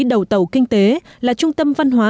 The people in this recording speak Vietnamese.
đầu tàu kinh tế là trung tâm văn hóa